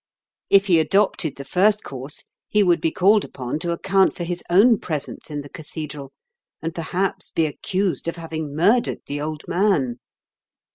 If he adopted the first course, he would be called upon to account for his own presence in the cathedral, and perhaps be accused of having murdered the old man.